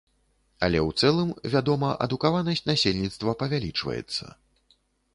Але ў цэлым, вядома, адукаванасць насельніцтва павялічваецца.